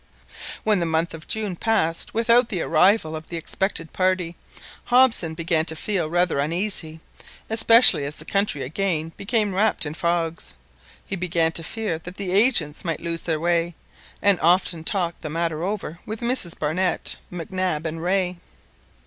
When the month of June passed without the arrival of the expected party, Hobson began to feel rather uneasy, especially as the country again became wrapped in fogs. He began to fear that the agents might lose their way, and often talked the matter over with Mrs Barnett, Mac Nab, and Rae.